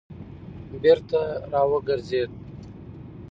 بېرته را وګرځېد.